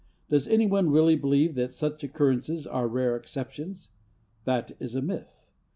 Does any one really believe that such occurrences are rare exceptions? That is a myth.